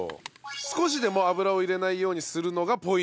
少しでも油を入れないようにするのがポイントだと。